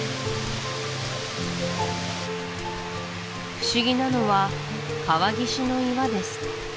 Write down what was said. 不思議なのは川岸の岩です